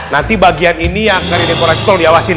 nanti bagian ini yang nanti dikoreksi tolong diawasin ya